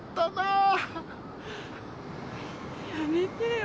やめてよ。